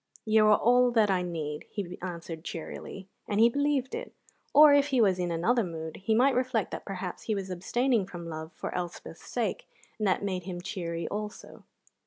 "You are all I need," he answered cheerily, and he believed it. Or, if he was in another mood, he might reflect that perhaps he was abstaining from love for Elspeth's sake, and that made him cheery also.